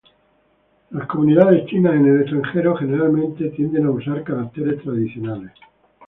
Las comunidades chinas en el extranjero generalmente tienden a usar caracteres tradicionales.